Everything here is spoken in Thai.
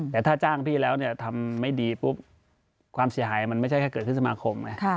แต่ถ้าจ้างพี่แล้วทำไม่ดีปุ๊บความเสียหายมันไม่ใช่แค่เกิดขึ้นสมาคมไง